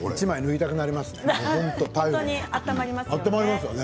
１枚脱ぎたくなります。